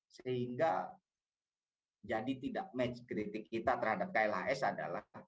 sehingga jadi tidak match kritik kita terhadap klhs adalah